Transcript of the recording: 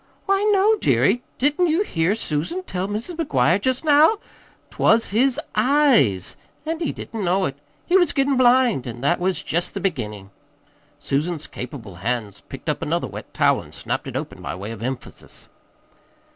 "Why, no, dearie. Didn't you hear Susan tell Mis' McGuire jest now? 'T was his EYES, an' he didn't know it. He was gettin' blind, an' that was jest the beginnin'." Susan's capable hands picked up another wet towel and snapped it open by way of emphasis.